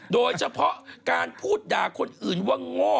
โดยเฉพาะการพูดด่าคนอื่นว่าโง่